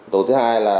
tổ thứ hai là